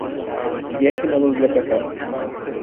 Jessie no volvió a casarse.